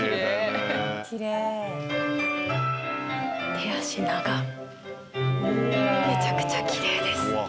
手足長っ。めちゃくちゃキレイです。